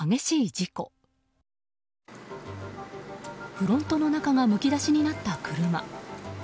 フロントの中がむき出しになった車。